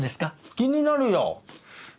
気になるよ。